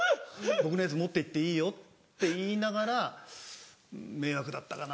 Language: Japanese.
僕のやつ持ってっていいよって言いながら迷惑だったかな？